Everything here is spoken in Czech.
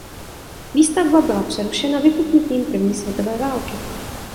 Výstavba byla přerušena vypuknutím první světové války.